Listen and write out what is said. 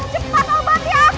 cepat obati aku